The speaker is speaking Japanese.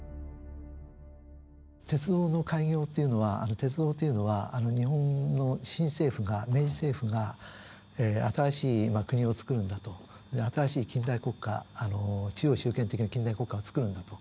鉄道の開業っていうのは鉄道というのは日本の新政府が明治政府が新しい国をつくるんだと新しい近代国家中央集権的な近代国家をつくるんだと。